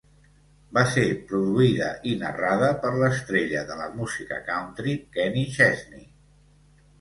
Va ser produïda i narrada per l'estrella de la música country Kenny Chesney.